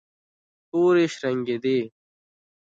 تورې شرنګېدې.